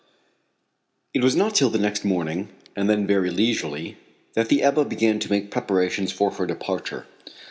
It was not till the next morning, and then very leisurely, that the Ebba began to make preparations for her departure.